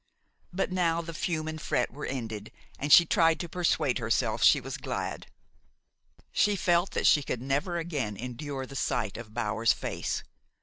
But now the fume and fret were ended, and she tried to persuade herself she was glad. She felt that she could never again endure the sight of Bower's face.